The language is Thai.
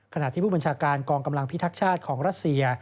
ขณะที่ผู้บัญชาการกองกำลังพิทักษ์ชาติของรัสเซีย